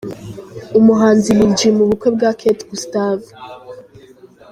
Umuhanzi Lil G mu bukwe bwa Kate Gustave.